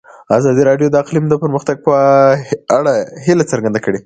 ازادي راډیو د اقلیم د پرمختګ په اړه هیله څرګنده کړې.